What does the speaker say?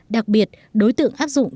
đặc biệt đối tượng áp dụng